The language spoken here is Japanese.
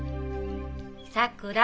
さくら！